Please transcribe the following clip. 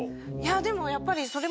でもやっぱり。